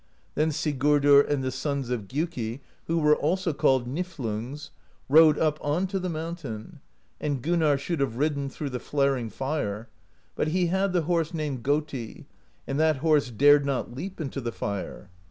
"Then Sigurdr and the sons of Gjuki (who were also called Niflungs) rode up onto the mountain, and Gunnarr should have ridden through the flaring fire: but he had the horse named Goti, and that horse dared not leap into the fire.